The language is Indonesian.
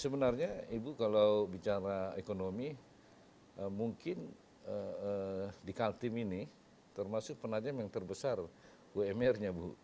sebenarnya ibu kalau bicara ekonomi mungkin di kaltim ini termasuk penajam yang terbesar umr nya bu